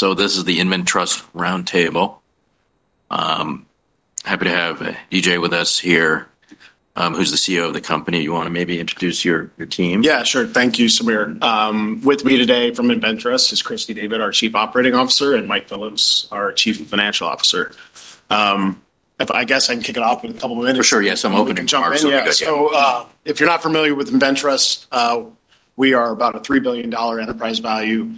This is the InvenTrust Roundtable. Happy to have DJ with us here, who's the CEO of the company. You want to maybe introduce your team? Yeah, sure. Thank you, Samir. With me today from InvenTrust is Christy David, our Chief Operating Officer, and Mike Phillips, our Chief Financial Officer. I guess I can kick it off with a couple of minutes. For sure. Yes, I'm opening charts. If you're not familiar with InvenTrust, we are about a $3 billion enterprise value,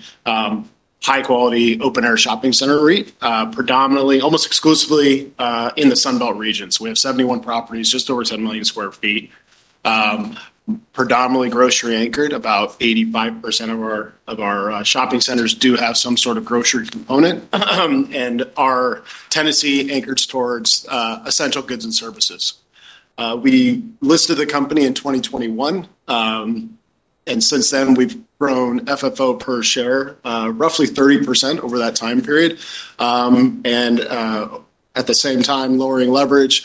high-quality, open-air shopping center REIT, predominantly, almost exclusively in the Sunbelt region. We have 71 properties, just over 10 million square feet, predominantly grocery-anchored. About 85% of our shopping centers do have some sort of grocery component, and our tenancy is anchored towards essential goods and services. We listed the company in 2021, and since then we've grown FFO per share roughly 30% over that time period, at the same time lowering leverage.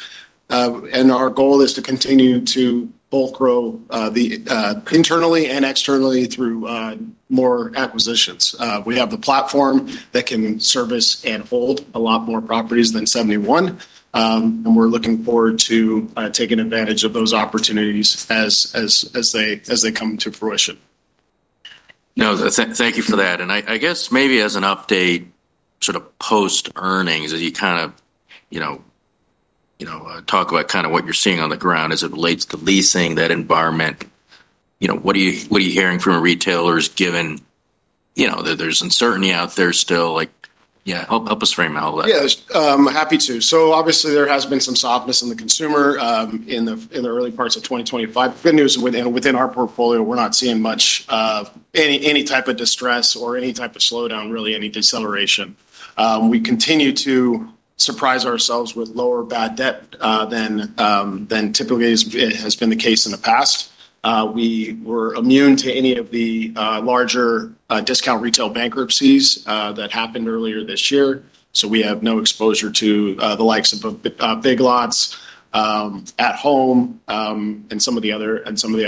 Our goal is to continue to both grow internally and externally through more acquisitions. We have the platform that can service and hold a lot more properties than 71, and we're looking forward to taking advantage of those opportunities as they come to fruition. Thank you for that. I guess maybe as an update, sort of post-earnings, as you talk about what you're seeing on the ground as it relates to leasing that environment, what are you hearing from retailers given that there's uncertainty out there still? Help us frame all of that. Yeah, I'm happy to. Obviously, there has been some softness in the consumer in the early parts of 2025. Good news within our portfolio, we're not seeing much of any type of distress or any type of slowdown, really any deceleration. We continue to surprise ourselves with lower bad debt than typically has been the case in the past. We were immune to any of the larger discount retail bankruptcies that happened earlier this year. We have no exposure to the likes of Big Lots, At Home, and some of the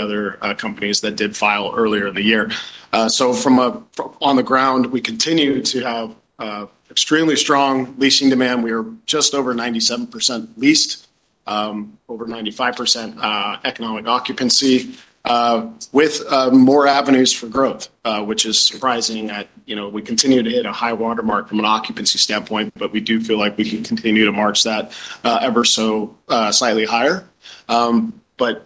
other companies that did file earlier in the year. From on the ground, we continue to have extremely strong leasing demand. We are just over 97% leased, over 95% economic occupancy, with more avenues for growth, which is surprising that, you know, we continue to hit a high watermark from an occupancy standpoint, but we do feel like we can continue to march that ever so slightly higher.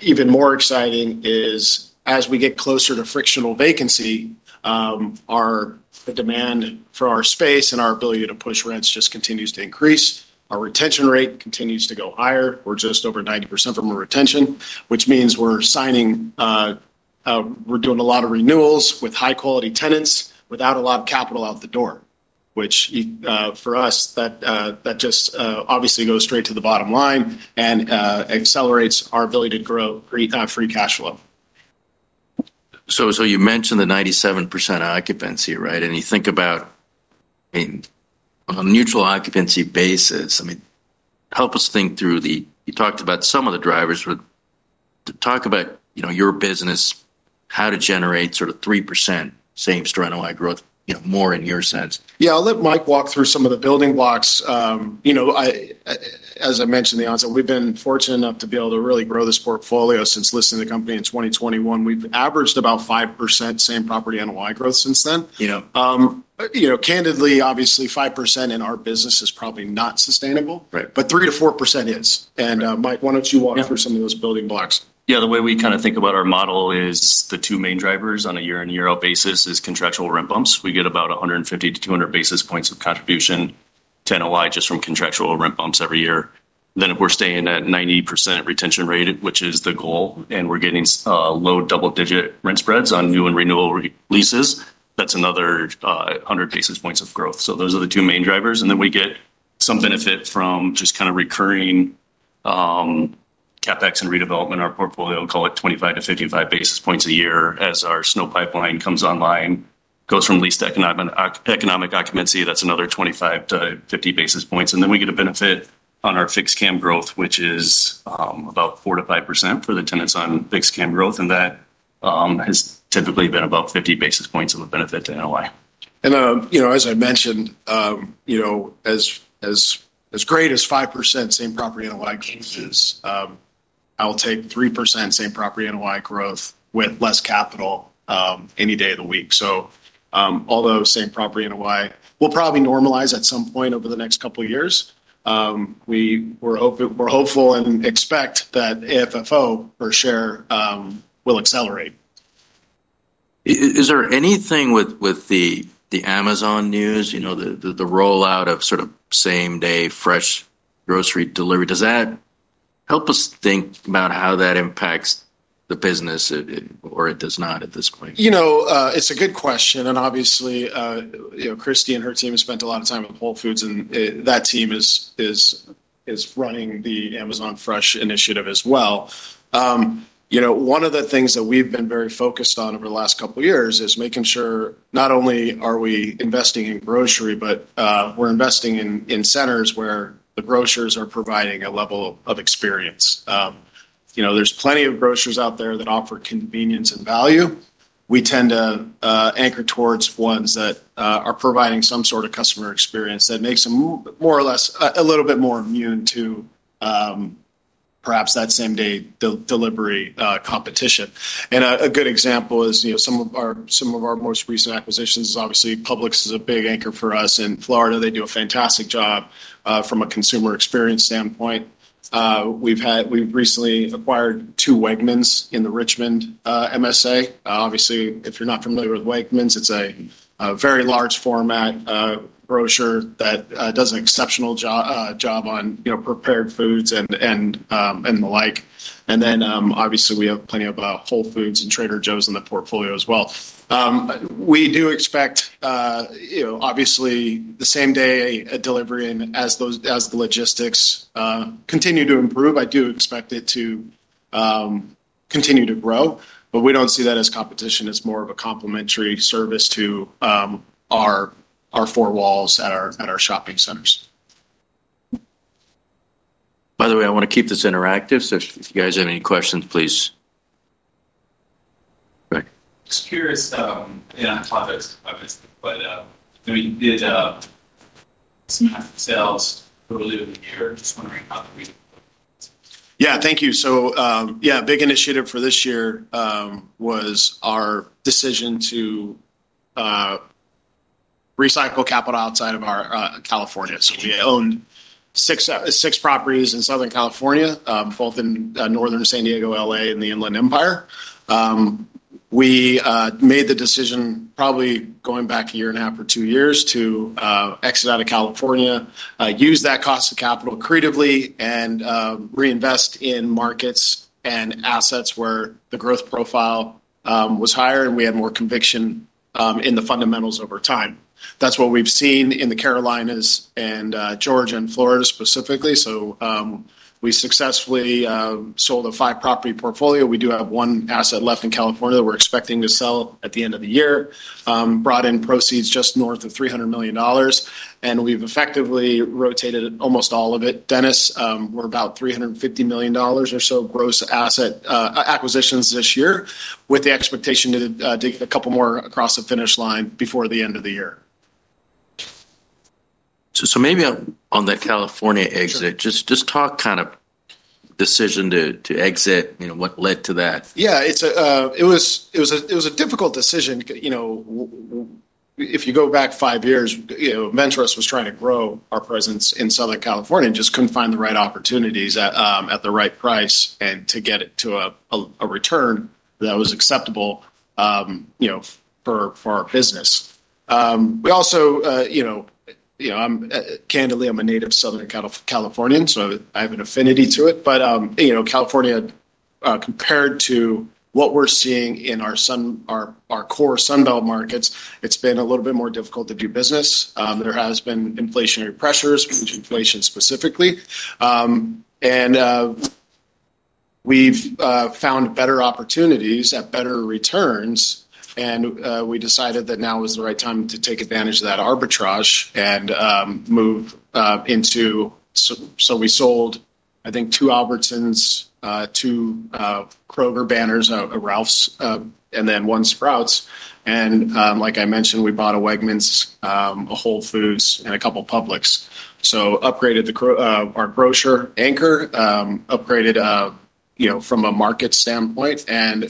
Even more exciting is as we get closer to frictional vacancy, the demand for our space and our ability to push rents just continues to increase. Our retention rate continues to go higher. We're just over 90% from a retention, which means we're signing, we're doing a lot of renewals with high-quality tenants without a lot of capital out the door, which for us, that just obviously goes straight to the bottom line and accelerates our ability to grow free cash flow. You mentioned the 97% occupancy, right? You think about a neutral occupancy basis. Help us think through the, you talked about some of the drivers, but talk about your business, how to generate sort of 3% same store NOI growth, more in your sense. Yeah, I'll let Mike walk through some of the building blocks. As I mentioned in the onset, we've been fortunate enough to be able to really grow this portfolio since listing the company in 2021. We've averaged about 5% same-property NOI growth since then. Candidly, obviously 5% in our business is probably not sustainable, but 3% to 4% is. Mike, why don't you walk through some of those building blocks? Yeah, the way we kind of think about our model is the two main drivers on a year-on-year basis is contractual rent bumps. We get about 150 to 200 basis points of contribution to NOI just from contractual rent bumps every year. If we're staying at 90% retention rate, which is the goal, and we're getting low double-digit rent spreads on new and renewal leases, that's another 100 basis points of growth. Those are the two main drivers. We get some benefit from just kind of recurring CapEx and redevelopment in our portfolio, call it 25 to 55 basis points a year as our snow pipeline comes online, goes from leased economic occupancy, that's another 25 to 50 basis points. We get a benefit on our fixed CAM growth, which is about 4% to 5% for the tenants on fixed CAM growth. That has typically been about 50 basis points of a benefit to NOI. As I mentioned, as great as 5% same-property NOI is, I'll take 3% same-property NOI growth with less capital any day of the week. Although same-property NOI will probably normalize at some point over the next couple of years, we're hopeful and expect that FFO per share will accelerate. Is there anything with the Amazon news, you know, the rollout of sort of same-day fresh grocery delivery? Does that help us think about how that impacts the business, or it does not at this point? It's a good question. Obviously, Christy and her team spent a lot of time with Whole Foods, and that team is running the Amazon Fresh initiative as well. One of the things that we've been very focused on over the last couple of years is making sure not only are we investing in grocery, but we're investing in centers where the grocers are providing a level of experience. There are plenty of grocers out there that offer convenience and value. We tend to anchor towards ones that are providing some sort of customer experience that makes them more or less a little bit more immune to perhaps that same-day delivery competition. A good example is some of our most recent acquisitions. Obviously, Publix is a big anchor for us in Florida. They do a fantastic job from a consumer experience standpoint. We've recently acquired two Wegmans in the Richmond MSA. If you're not familiar with Wegmans, it's a very large format grocer that does an exceptional job on prepared foods and the like. We have plenty of Whole Foods and Trader Joe's in the portfolio as well. We do expect the same-day delivery and as the logistics continue to improve, I do expect it to continue to grow. We don't see that as competition. It's more of a complimentary service to our four walls at our shopping centers. By the way, I want to keep this interactive. If you guys have any questions, please. Yeah, five minutes to five minutes to play. You can do the debt of sales. Thank you. A big initiative for this year was our decision to recycle capital outside of California. We owned six properties in Southern California, both in Northern San Diego, LA, and the Inland Empire. We made the decision probably going back a year and a half or two years to exit out of California, use that cost of capital creatively, and reinvest in markets and assets where the growth profile was higher and we had more conviction in the fundamentals over time. That's what we've seen in the Carolinas and Georgia and Florida specifically. We successfully sold a five-property portfolio. We do have one asset left in California that we're expecting to sell at the end of the year, brought in proceeds just north of $300 million, and we've effectively rotated almost all of it. Dennis, we're about $350 million or so gross asset acquisitions this year with the expectation to dig a couple more across the finish line before the end of the year. Maybe on that California exit, just talk kind of decision to exit, you know, what led to that. Yeah, it was a difficult decision. If you go back five years, InvenTrust was trying to grow our presence in Southern California and just couldn't find the right opportunities at the right price to get it to a return that was acceptable for our business. We also, candidly, I'm a native Southern Californian, so I have an affinity to it. California, compared to what we're seeing in our core Sunbelt markets, has been a little bit more difficult to do business. There have been inflationary pressures, huge inflation specifically. We've found better opportunities at better returns. We decided that now was the right time to take advantage of that arbitrage and move into. We sold, I think, two Albertsons, two Kroger banners, a Ralph's, and one Sprouts. Like I mentioned, we bought a Wegmans, a Whole Foods, and a couple Publix. We upgraded our grocer anchor, upgraded from a market standpoint, and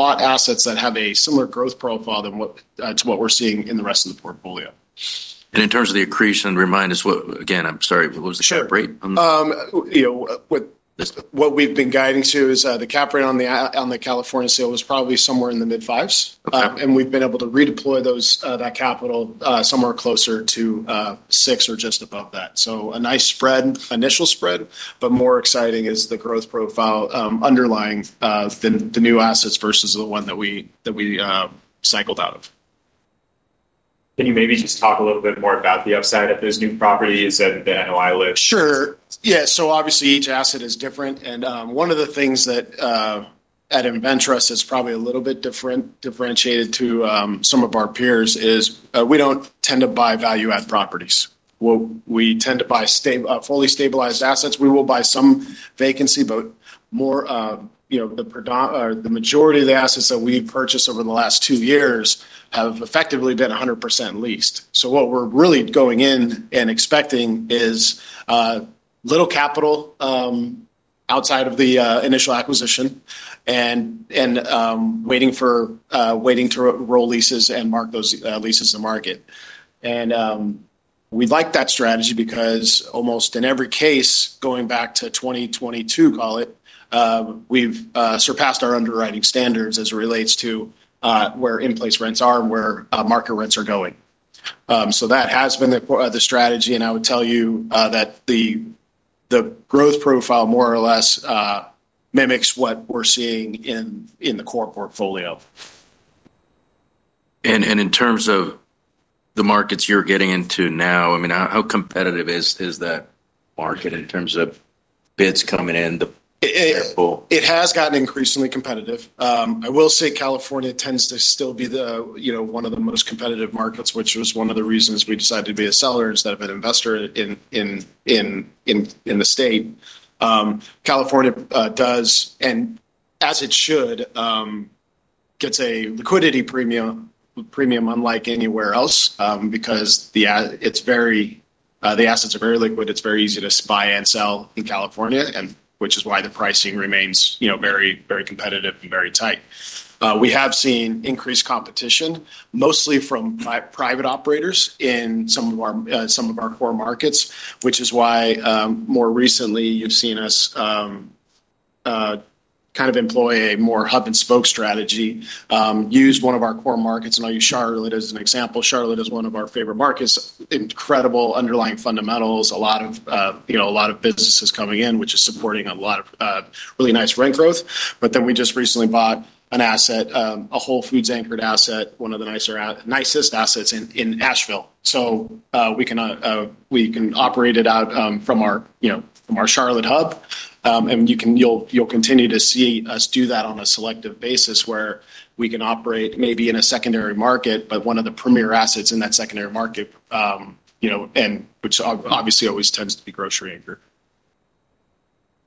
bought assets that have a similar growth profile to what we're seeing in the rest of the portfolio. In terms of the accretion, remind us what, again, I'm sorry, what was the share rate? You know, what we've been guiding to is the cap rate on the California sale was probably somewhere in the mid-fives. We've been able to redeploy that capital somewhere closer to 6% or just above that. A nice initial spread, but more exciting is the growth profile underlying the new assets versus the one that we cycled out of. Can you maybe just talk a little bit more about the upside of those new properties and the NOI list? Sure. Yeah, so obviously each asset is different. One of the things that at InvenTrust is probably a little bit differentiated to some of our peers is we don't tend to buy value-add properties. We tend to buy fully stabilized assets. We will buy some vacancy, but more, you know, the majority of the assets that we've purchased over the last two years have effectively been 100% leased. What we're really going in and expecting is little capital outside of the initial acquisition and waiting for roll leases and mark those leases in the market. We like that strategy because almost in every case, going back to 2022, call it, we've surpassed our underwriting standards as it relates to where in-place rents are and where market rents are going. That has been the strategy. I would tell you that the growth profile more or less mimics what we're seeing in the core portfolio. In terms of the markets you're getting into now, how competitive is that market in terms of bids coming in? It has gotten increasingly competitive. I will say California tends to still be one of the most competitive markets, which was one of the reasons we decided to be a seller instead of an investor in the state. California does, and as it should, get a liquidity premium unlike anywhere else because the assets are very liquid. It's very easy to buy and sell in California, which is why the pricing remains very, very competitive and very tight. We have seen increased competition, mostly from private operators in some of our core markets, which is why more recently you've seen us employ a more hub and spoke strategy, use one of our core markets. I'll use Charlotte as an example. Charlotte is one of our favorite markets, incredible underlying fundamentals, a lot of businesses coming in, which is supporting a lot of really nice rent growth. We just recently bought an asset, a Whole Foods anchored asset, one of the nicest assets in Asheville. We can operate it out from our Charlotte hub. You'll continue to see us do that on a selective basis where we can operate maybe in a secondary market, but one of the premier assets in that secondary market, which obviously always tends to be grocery anchored.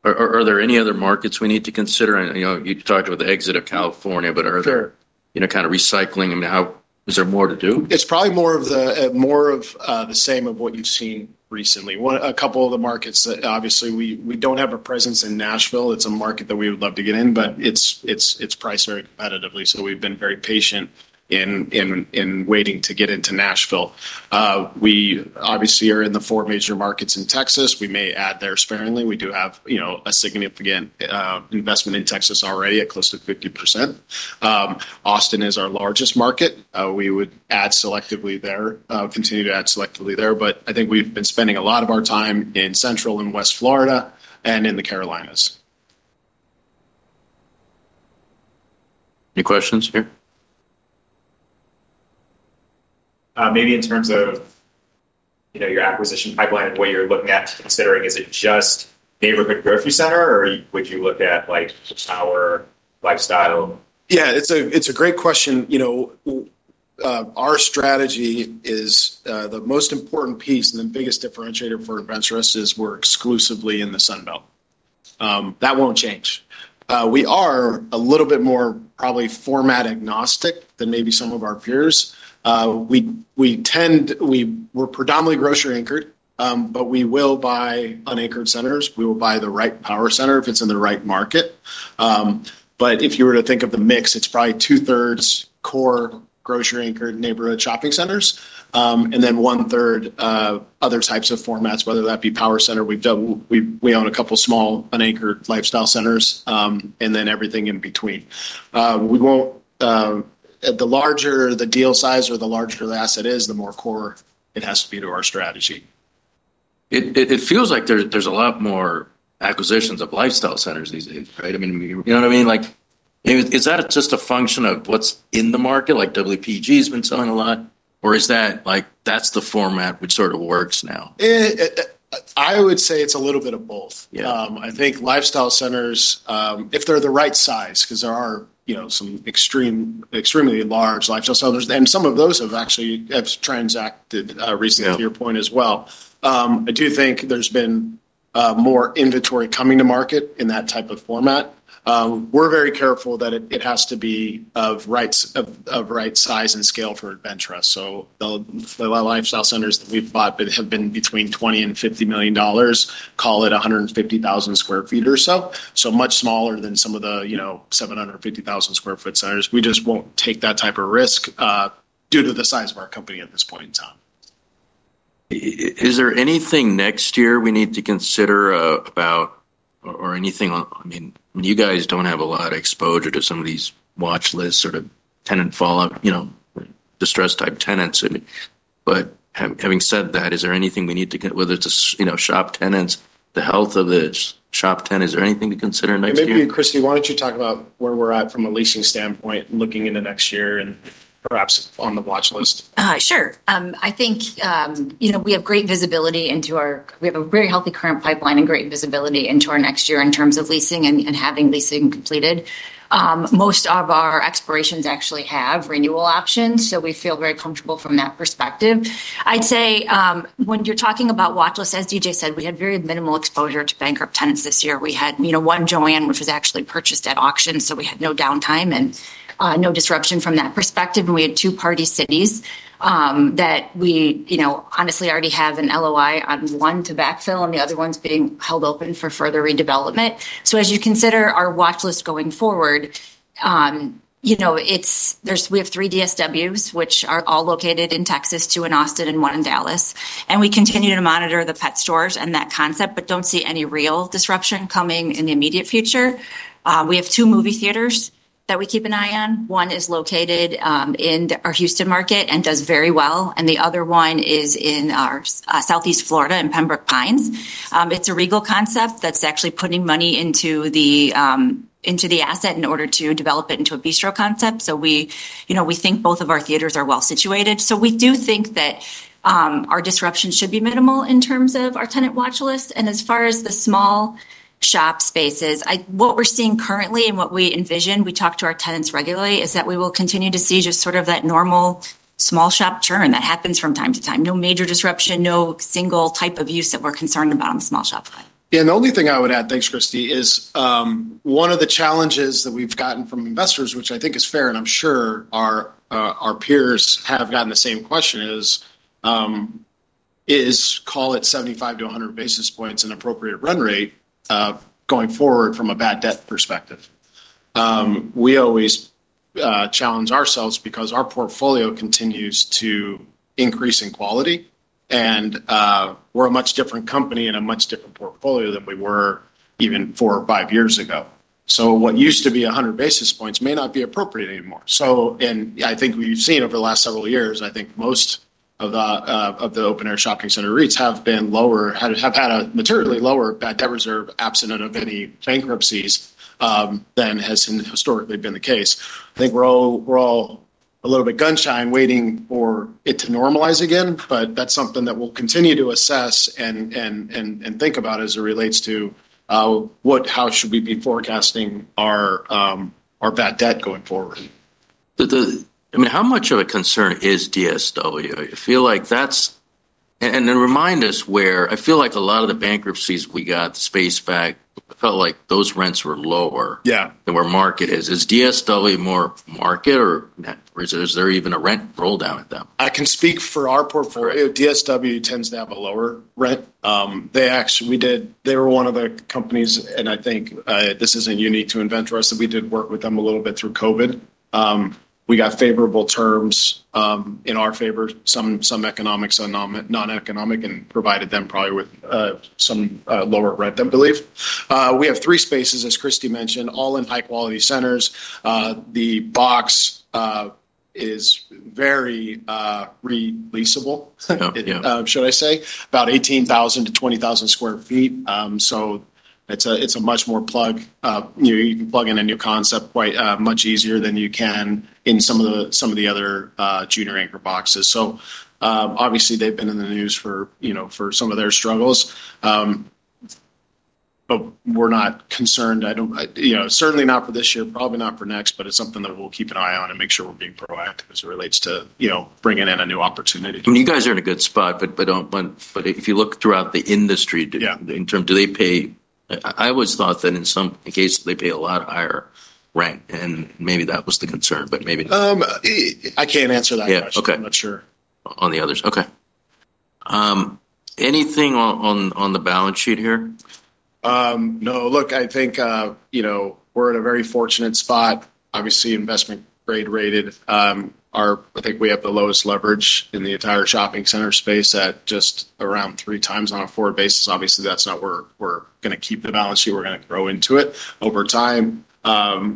Are there any other markets we need to consider? You talked about the exit of California, but are there, you know, kind of capital recycling? I mean, is there more to do? It's probably more of the same of what you've seen recently. A couple of the markets that obviously we don't have a presence in, Nashville. It's a market that we would love to get in, but it's priced very competitively. We've been very patient in waiting to get into Nashville. We obviously are in the four major markets in Texas. We may add there sparingly. We do have a significant investment in Texas already at close to 50%. Austin is our largest market. We would add selectively there, continue to add selectively there. I think we've been spending a lot of our time in Central and West Florida and in the Carolinas. Any questions here? Maybe in terms of your acquisition pipeline, what you're looking at considering, is it just neighborhood grocery center or would you look at like just lifestyle? Yeah, it's a great question. Our strategy is the most important piece, and the biggest differentiator for InvenTrust is we're exclusively in the Sunbelt. That won't change. We are a little bit more probably format agnostic than maybe some of our peers. We're predominantly grocery anchored, but we will buy unanchored centers. We will buy the right power center if it's in the right market. If you were to think of the mix, it's probably two-thirds core grocery-anchored neighborhood shopping centers and then one-third other types of formats, whether that be power center. We've done, we own a couple small unanchored lifestyle centers and then everything in between. The larger the deal size or the larger the asset is, the more core it has to be to our strategy. It feels like there's a lot more acquisitions of lifestyle centers these days, right? I mean, you know what I mean? Is that just a function of what's in the market, like WPG has been selling a lot, or is that like, that's the format which sort of works now? I would say it's a little bit of both. I think lifestyle centers, if they're the right size, because there are some extremely large lifestyle centers, and some of those have actually transacted recently to your point as well. I do think there's been more inventory coming to market in that type of format. We're very careful that it has to be of right size and scale for InvenTrust. The lifestyle centers that we've bought have been between $20 million and $50 million, call it 150,000 square feet or so, much smaller than some of the 750,000 square foot centers. We just won't take that type of risk due to the size of our company at this point in time. Is there anything next year we need to consider about, or anything? I mean, you guys don't have a lot of exposure to some of these watch lists or tenant fallout, you know, distressed type tenants. Having said that, is there anything we need to, whether it's a, you know, shop tenants, the health of the shop tenants, is there anything to consider next year? Maybe Christy, why don't you talk about where we're at from a leasing standpoint, looking into next year and perhaps on the watch list? Sure. I think, you know, we have great visibility into our, we have a very healthy current pipeline and great visibility into our next year in terms of leasing and having leasing completed. Most of our expirations actually have renewal options, so we feel very comfortable from that perspective. I'd say when you're talking about watch lists, as DJ said, we had very minimal exposure to bankrupt tenants this year. We had, you know, one Joann, which was actually purchased at auction, so we had no downtime and no disruption from that perspective. We had two Party City locations that we, you know, honestly already have an LOI on one to backfill, and the other one's being held open for further redevelopment. As you consider our watch list going forward, you know, we have three DSWs, which are all located in Texas, two in Austin and one in Dallas. We continue to monitor the pet stores and that concept, but don't see any real disruption coming in the immediate future. We have two movie theaters that we keep an eye on. One is located in our Houston market and does very well. The other one is in our Southeast Florida in Pembroke Pines. It's a Regal concept that's actually putting money into the asset in order to develop it into a bistro concept. We think both of our theaters are well situated. We do think that our disruption should be minimal in terms of our tenant watch list. As far as the small shop spaces, what we're seeing currently and what we envision, we talk to our tenants regularly, is that we will continue to see just sort of that normal small shop churn that happens from time to time. No major disruption, no single type of use that we're concerned about in the small shop life. Yeah, and the only thing I would add, thanks Christy, is one of the challenges that we've gotten from investors, which I think is fair, and I'm sure our peers have gotten the same question, is call it 75 to 100 basis points an appropriate run rate going forward from a bad debt perspective. We always challenge ourselves because our portfolio continues to increase in quality. We're a much different company and a much different portfolio than we were even four or five years ago. What used to be 100 basis points may not be appropriate anymore. I think we've seen over the last several years, most of the open-air shopping center REITs have been lower, have had a materially lower bad debt reserve absent of any bankruptcies than has historically been the case. I think we're all a little bit gunshy and waiting for it to normalize again, but that's something that we'll continue to assess and think about as it relates to how should we be forecasting our bad debt going forward. I mean, how much of a concern is DSW? I feel like that's, and then remind us where I feel like a lot of the bankruptcies we got the space back felt like those rents were lower than where market is. Is DSW more market, or is there even a rent roll down at them? I can speak for our portfolio. DSW tends to have a lower rent. They actually, we did, they were one of the companies, and I think this isn't unique to InvenTrust, that we did work with them a little bit through COVID. We got favorable terms in our favor, some economics, some non-economic, and provided them probably with some lower rent, I believe. We have three spaces, as Christy mentioned, all in high-quality centers. The box is very re-leasable, should I say, about 18,000 to 20,000 square feet. It's a much more plug. You can plug in a new concept quite much easier than you can in some of the other junior anchor boxes. Obviously they've been in the news for some of their struggles. We're not concerned, certainly not for this year, probably not for next, but it's something that we'll keep an eye on and make sure we're being proactive as it relates to bringing in a new opportunity. I mean, you guys are in a good spot. If you look throughout the industry, in terms of do they pay, I always thought that in some cases they pay a lot higher rent and maybe that was the concern, but maybe. I can't answer that question. I'm not sure. On the others. Okay. Anything on the balance sheet here? No, look, I think we're in a very fortunate spot. Obviously, investment-grade rated. I think we have the lowest leverage in the entire shopping center space at just around three times on a four basis. Obviously, that's not where we're going to keep the balance sheet. We're going to grow into it over time,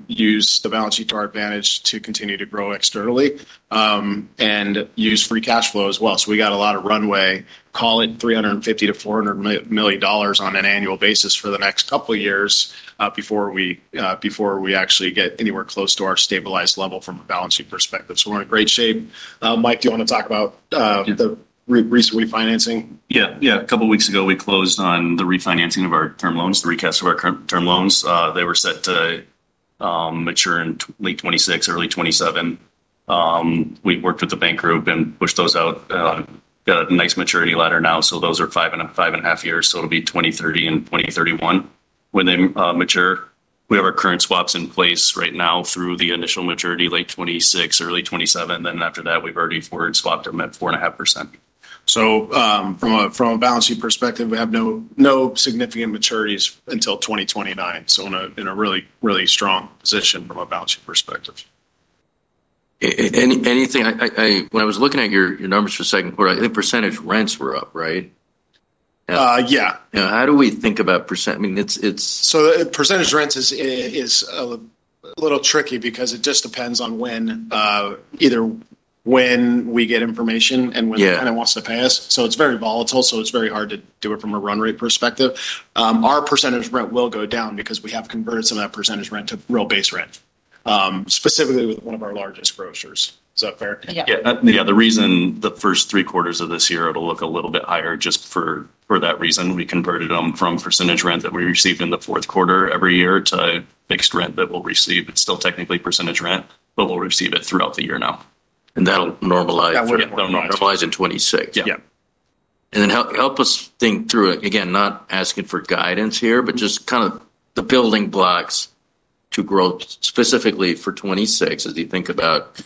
use the balance sheet to our advantage to continue to grow externally and use free cash flow as well. We got a lot of runway, call it $350 to $400 million on an annual basis for the next couple of years before we actually get anywhere close to our stabilized level from a balance sheet perspective. We're in great shape. Mike, do you want to talk about the recent refinancing? Yeah, a couple of weeks ago we closed on the refinancing of our term loans, the recast of our term loans. They were set to mature in late 2026, early 2027. We worked with the bank group and pushed those out. We've got a nice maturity ladder now. Those are five and a half years, so it'll be 2030 and 2031 when they mature. We have our current swaps in place right now through the initial maturity, late 2026, early 2027. After that, we've already forward swapped them at 4.5%. From a balance sheet perspective, we have no significant maturities until 2029, so in a really, really strong position from a balance sheet perspective. When I was looking at your numbers for the second quarter, I think percentage rents were up, right? Yeah. How do we think about %? I mean, it's. Percentage rents is a little tricky because it just depends on when, either when we get information and when the tenant wants to pay us. It is very volatile, so it is very hard to do it from a run rate perspective. Our percentage rent will go down because we have converted some of that percentage rent to real base rent, specifically with one of our largest grocers. Is that fair? Yeah, the reason the first three quarters of this year, it'll look a little bit higher just for that reason. We converted them from percentage rent that we received in the fourth quarter every year to fixed rent that we'll receive. It's still technically percentage rent, but we'll receive it throughout the year now. That'll normalize in 2026. Yeah. Help us think through it. Not asking for guidance here, just kind of the building blocks to grow specifically for 2026 as you think about.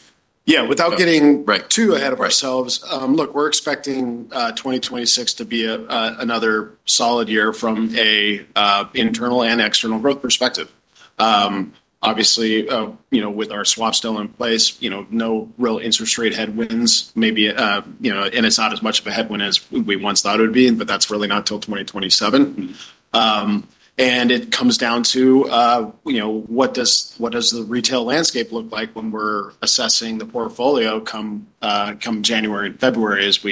Yeah, without getting too ahead of ourselves, look, we're expecting 2026 to be another solid year from an internal and external growth perspective. Obviously, you know, with our swap still in place, no real interest rate headwinds. Maybe it's not as much of a headwind as we once thought it would be, but that's really not until 2027. It comes down to what does the retail landscape look like when we're assessing the portfolio come January and February as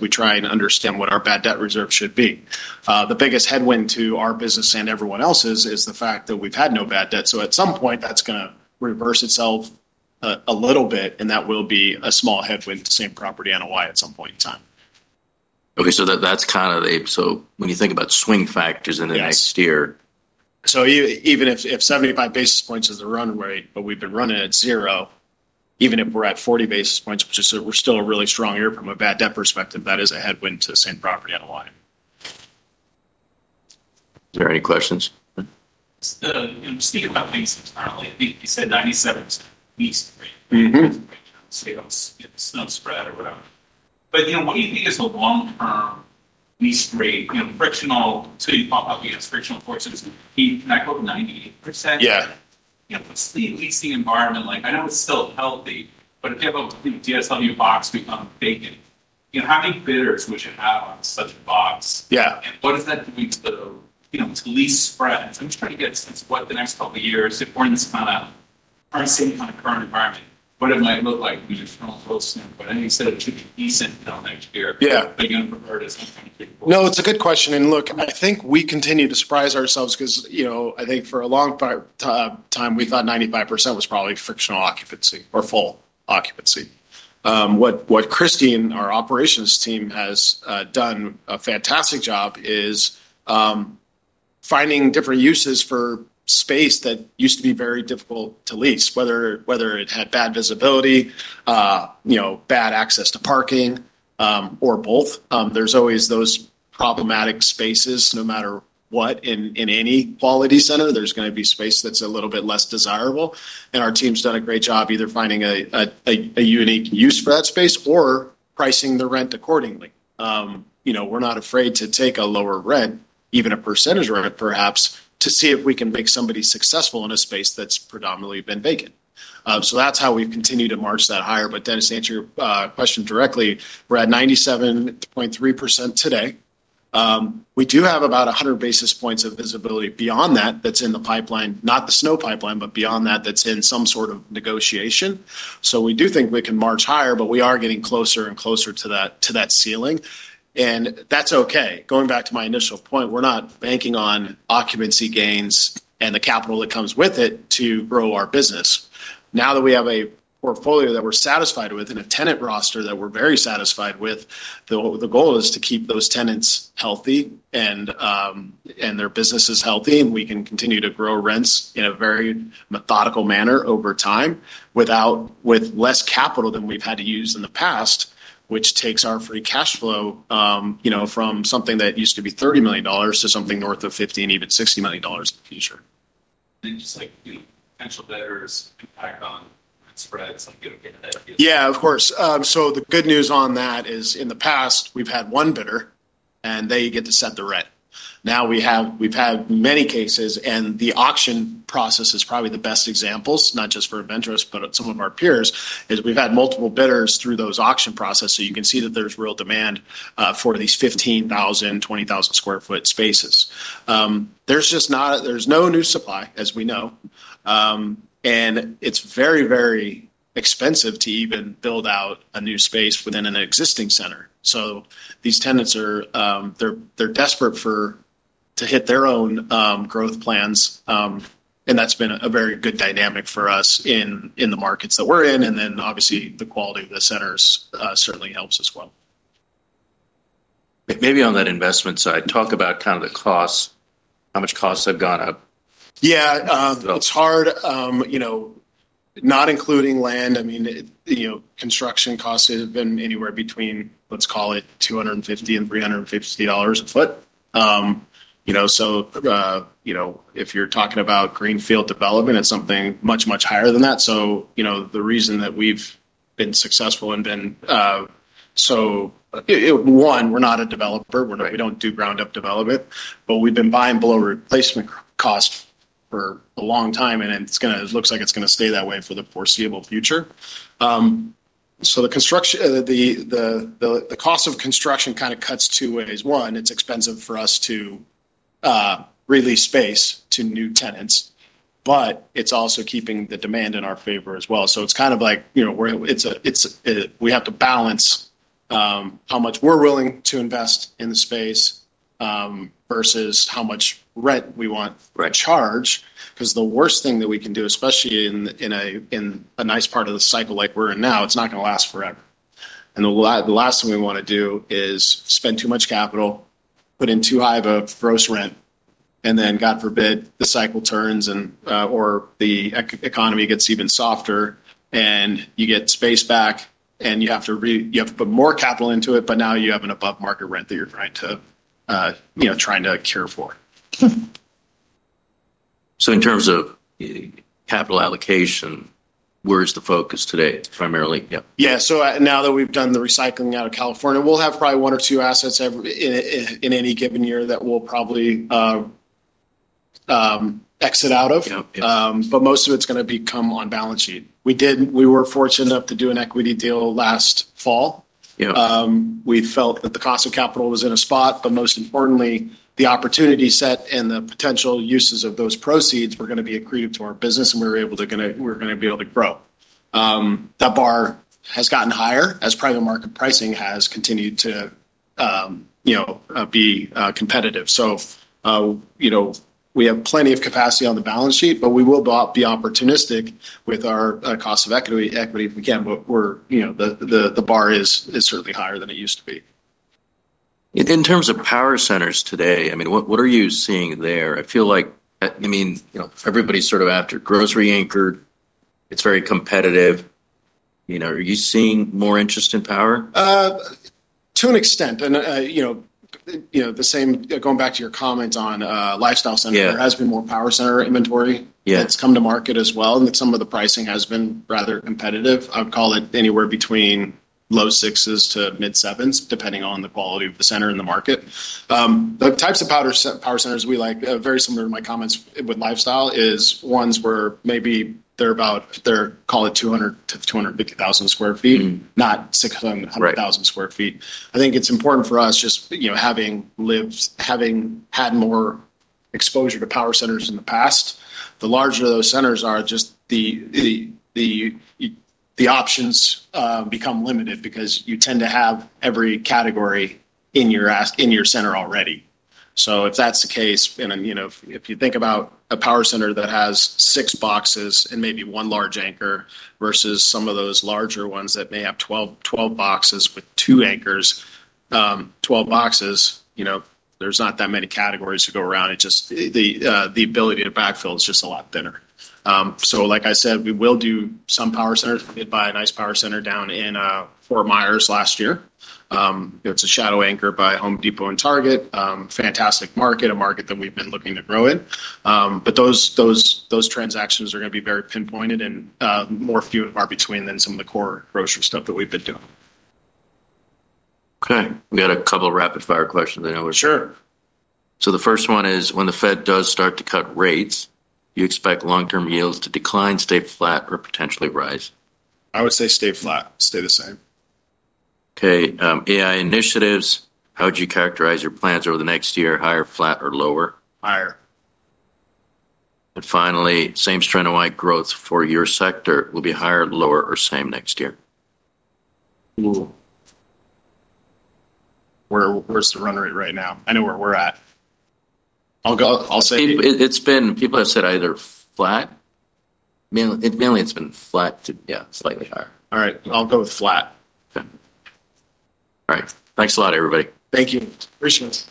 we try and understand what our bad debt reserve should be. The biggest headwind to our business and everyone else's is the fact that we've had no bad debt. At some point, that's going to reverse itself a little bit, and that will be a small headwind to same-property NOI at some point in time. Okay, that's kind of the, when you think about swing factors in the next year. Even if 75 basis points is the run rate, but we've been running at zero, even if we're at 40 basis points, which is still a really strong year from a bad debt perspective, that is a headwind to the same-property NOI. Are there any questions? Steve Cropping said tomorrow, he said 97% lease rate, sales spread or whatever. What do you think is a long-term lease rate? Frictional, so you pop up, you know, spiritual ports of, I hope, 90%. It's the leasing environment. I know it's still healthy, but if you have a, do you have something to box, to lease spreads, I'm sure you get to the point the next couple of years, if one's kind of, I'm saying the same thing for an emergency. What does it look like? We just fell 12%. I know you said it took a decent down that year. Yeah. No, it's a good question. I think we continue to surprise ourselves because, you know, I think for a long time, we thought 95% was probably frictional occupancy or full occupancy. What Christy and our operations team has done a fantastic job is finding different uses for space that used to be very difficult to lease, whether it had bad visibility, bad access to parking, or both. There's always those problematic spaces, no matter what, in any quality center, there's going to be space that's a little bit less desirable. Our team's done a great job either finding a unique use for that space or pricing the rent accordingly. We're not afraid to take a lower rent, even a percentage rent perhaps, to see if we can make somebody successful in a space that's predominantly been vacant. That's how we've continued to march that higher. Dennis, to answer your question directly, we're at 97.3% today. We do have about 100 basis points of visibility beyond that that's in the pipeline, not the snow pipeline, but beyond that that's in some sort of negotiation. We do think we can march higher, but we are getting closer and closer to that ceiling. That's okay. Going back to my initial point, we're not banking on occupancy gains and the capital that comes with it to grow our business. Now that we have a portfolio that we're satisfied with and a tenant roster that we're very satisfied with, the goal is to keep those tenants healthy and their businesses healthy, and we can continue to grow rents in a very methodical manner over time with less capital than we've had to use in the past, which takes our free cash flow from something that used to be $30 million to something north of $15 million, even $60 million in the future. Yeah, of course. The good news on that is in the past, we've had one bidder, and they get to set the rent. Now we have, we've had many cases, and the auction process is probably the best example, not just for InvenTrust, but some of our peers, is we've had multiple bidders through those auction processes. You can see that there's real demand for these 15,000, 20,000 square foot spaces. There's just no new supply, as we know, and it's very, very expensive to even build out a new space within an existing center. These tenants, they're desperate to hit their own growth plans. That's been a very good dynamic for us in the markets that we're in. Obviously, the quality of the centers certainly helps as well. Maybe on that investment side, talk about the costs, how much costs have gone up. Yeah, it's hard, you know, not including land. I mean, you know, construction costs have been anywhere between, let's call it, $250 and $350 a foot. You know, if you're talking about greenfield development, it's something much, much higher than that. The reason that we've been successful and been, so one, we're not a developer. We don't do ground-up development, but we've been buying below replacement costs for a long time, and it looks like it's going to stay that way for the foreseeable future. The cost of construction kind of cuts two ways. One, it's expensive for us to release space to new tenants, but it's also keeping the demand in our favor as well. It's kind of like, you know, we have to balance how much we're willing to invest in the space versus how much rent we want to charge, because the worst thing that we can do, especially in a nice part of the cycle like we're in now, it's not going to last forever. The last thing we want to do is spend too much capital, put in too high of a gross rent, and then God forbid the cycle turns and or the economy gets even softer and you get space back and you have to put more capital into it, but now you have an above-market rent that you're trying to, you know, trying to cure for. In terms of capital allocation, where's the focus today primarily? Yeah, so now that we've done the recycling out of California, we'll have probably one or two assets in any given year that we'll probably exit out of, but most of it's going to become on balance sheet. We were fortunate enough to do an equity deal last fall. We felt that the cost of capital was in a spot, but most importantly, the opportunity set and the potential uses of those proceeds were going to be accretive to our business and we were going to be able to grow. That bar has gotten higher as private market pricing has continued to be competitive. We have plenty of capacity on the balance sheet, but we will be opportunistic with our cost of equity if we can, but the bar is certainly higher than it used to be. In terms of power centers today, what are you seeing there? I feel like everybody's sort of after grocery-anchored. It's very competitive. Are you seeing more interest in power? To an extent, going back to your comments on lifestyle centers, there has been more power center inventory that's come to market as well, and some of the pricing has been rather competitive. I would call it anywhere between low sixes to mid sevens, depending on the quality of the center in the market. The types of power centers we like, very similar to my comments with lifestyle, is ones where maybe they're about, call it 200,000 to 250,000 square feet, not 600,000 square feet. I think it's important for us, just having had more exposure to power centers in the past. The larger those centers are, the options become limited because you tend to have every category in your center already. If that's the case, if you think about a power center that has six boxes and maybe one large anchor versus some of those larger ones that may have 12 boxes with two anchors, 12 boxes, there's not that many categories to go around. The ability to backfill is just a lot thinner. Like I said, we will do some power centers. We did buy a nice power center down in Fort Myers last year. It's a shadow anchor by Home Depot and Target. Fantastic market, a market that we've been looking to grow in. Those transactions are going to be very pinpointed and more few and far between than some of the core grocery stuff that we've been doing. Okay, we had a couple of rapid-fire questions. Sure. When the Fed does start to cut rates, you expect long-term yields to decline, stay flat, or potentially rise? I would say stay flat, stay the same. Okay. AI initiatives, how would you characterize your plans over the next year, higher, flat, or lower? Higher. Finally, same-property NOI growth for your sector will be higher, lower, or the same next year? Where's the run rate right now? I know where we're at. I'll say it's been, people have said either flat. I mean, it's mainly been flat to, yeah, slightly higher. All right, I'll go with flat. Okay. All right. Thanks a lot, everybody. Thank you. Appreciate it.